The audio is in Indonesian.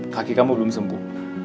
kaki kamu belum sembuh